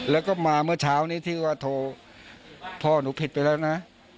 แล้วก็มาเมื่อเช้านี้ที่ว่าโทรพ่อหนูผิดไปแล้วนะ